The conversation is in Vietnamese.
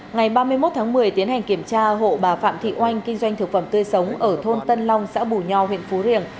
ngày ba mươi một tháng một mươi tiến hành kiểm tra hộ bà phạm thị oanh kinh doanh thực phẩm tươi sống ở thôn tân long xã bù nho huyện phú riềng